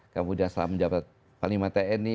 kemudian setelah menjabat panglima te ini